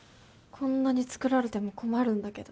こんなに作られても困るんだけど。